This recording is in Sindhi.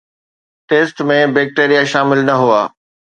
ٽيسٽ ۾ بيڪٽيريا شامل نه هئا